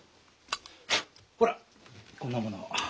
ほらこんなものを。